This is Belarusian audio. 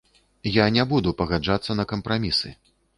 Я не буду пагаджацца на кампрамісы.